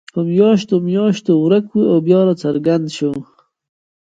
په میاشتو میاشتو ورک وو او بیا راڅرګند شو.